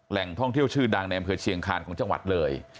แหล่งท่องเที่ยวชื่อดังในอำเภอเชียงคานของจังหวัดเลย